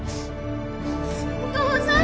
お父さん！